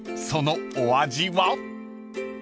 そのお味は？］